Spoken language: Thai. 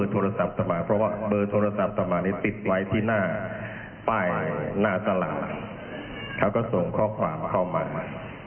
โทรศัพท์ต่อมานี้ติดไว้ที่หน้าป้ายหน้าสลักเขาก็ส่งข้อความเข้ามา